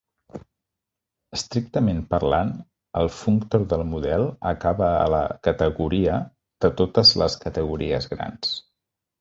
Estrictament parlant, el functor del model acaba a la "categoria" de totes les categories grans.